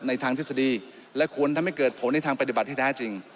ทางทฤษฎีและควรทำให้เกิดผลในทางปฏิบัติที่แท้จริง